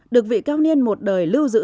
được vị cao niên một đời lưu giữ